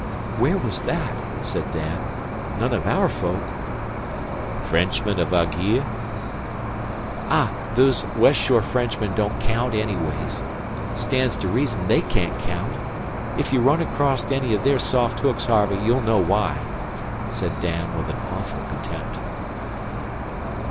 "Where was that?" said Dan. "None o' aour folk." "Frenchman of Anguille." "Ah! Them West Shore Frenchmen don't caount anyway. Stands to reason they can't caount. Ef you run acrost any of their soft hooks, Harvey, you'll know why," said Dan, with an awful contempt.